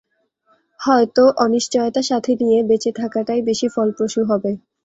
হয়ত অনিশ্চয়তা সাথে নিয়ে, বেচে থাকাটাই বেশি ফলপ্রসূ হবে।